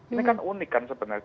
ini kan unik kan sebenarnya